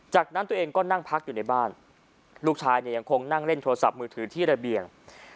จากนั้นตัวเองก็นั่งพักอยู่ในบ้านลูกชายเนี่ยยังคงนั่งเล่นโทรศัพท์มือถือที่ระเบียง